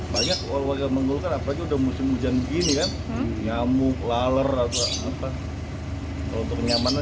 saya lebih aman ya lebih kebersihan aja